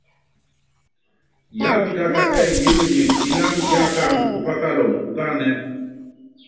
Yiápítáka ɛ́ɛ́ yémenyen iláŋa yíikáandú upákalɔŋu ukáánɛ́.